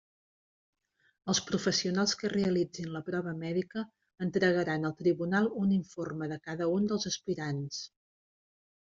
Els professionals que realitzin la prova mèdica entregaran al tribunal un informe de cada un dels aspirants.